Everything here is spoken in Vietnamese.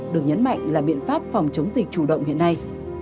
được nhấn mạnh là biện pháp phòng chống dịch chủ động hiện nay